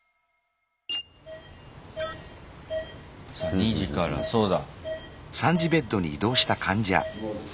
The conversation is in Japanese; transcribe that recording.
２次からそうだ。